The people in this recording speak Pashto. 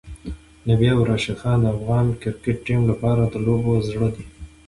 نبی او راشدخان د افغان کرکټ ټیم لپاره د لوبو زړه دی.